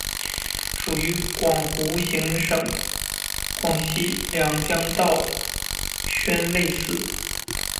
属于湖广行省广西两江道宣慰司。